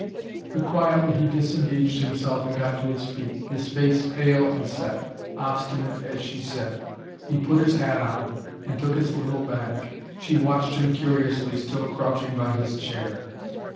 But quietly he disengaged himself and got to his feet, his face pale and set, obstinate as she said. He put his hat on, and took his little bag. She watched him curiously, still crouching by his chair.